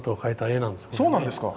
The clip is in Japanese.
そうなんですか。